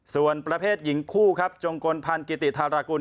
ส่วนประเภทหญิงคู่ครับจงกลพันธ์กิติธารกุล